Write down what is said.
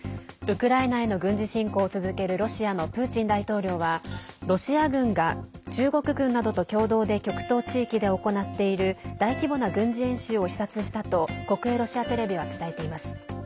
ウクライナへの軍事侵攻を続けるロシアのプーチン大統領はロシア軍が中国軍などと共同で極東地域で行っている大規模な軍事演習を視察したと国営ロシアテレビは伝えています。